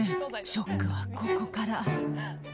ショックはここから。